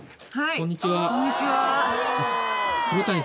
こんにちは。